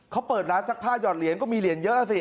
เขาเปิดร้านซักผ้าหยอดเหรียญก็มีเหรียญเยอะสิ